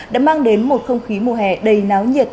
đã mang đến một không khí mùa hè đầy náo nhiệt